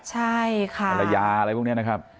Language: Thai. หรือยาอะไรพวกนี้นะครับ